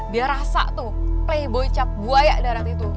biar rasa tuh playboy cap buaya darah itu